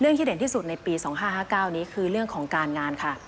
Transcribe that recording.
ที่เด่นที่สุดในปี๒๕๕๙นี้คือเรื่องของการงานค่ะ